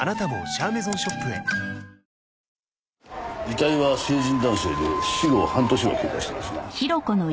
遺体は成人男性で死後半年は経過してますな。